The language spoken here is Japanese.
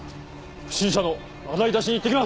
不審者の洗い出しに行ってきます！